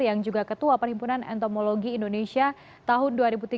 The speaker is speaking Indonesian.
yang juga ketua perhimpunan entomologi indonesia tahun dua ribu tiga dua ribu tujuh